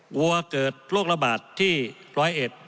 วัวเกิดโรคระบาดที่ร้อยเอ็ด